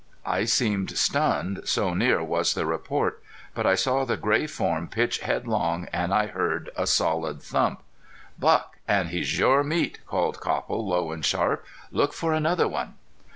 I seemed stunned, so near was the report. But I saw the gray form pitch headlong and I heard a solid thump. "Buck, an' he's your meat!" called Copple, low and sharp. "Look for another one."